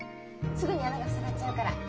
すぐに穴が塞がっちゃうから。